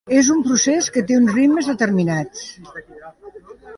És un procés que té uns ritmes determinats.